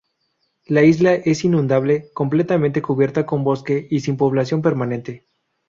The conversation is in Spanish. La isla es inundable, completamente cubierta con bosque y sin población permanente.